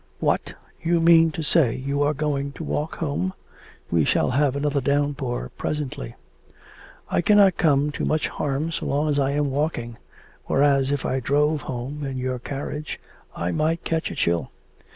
'What! you mean to say you are going to walk home? ... We shall have another downpour presently.' 'I cannot come to much harm so long as I am walking, whereas if I drove home in your carriage I might catch a chill....